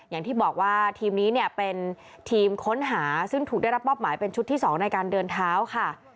อย่างที่บอกว่าทีมนี้เนี่ยเป็นทีมค้นหาซึ่งถูกได้รับมอบหมายเป็นชุดที่๒ในการเดินเท้าค่ะ